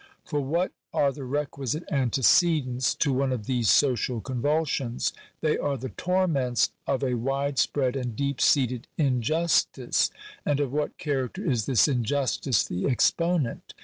For what are the requisite antecedents to one of these social convul sions? They are the torments of a wide spread and deep seated injustice. And of what character is this injustice the exponent